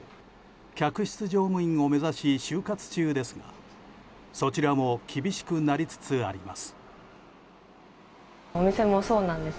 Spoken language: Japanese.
客室乗務員を目指し就活中ですが、そちらも厳しくなりつつあります。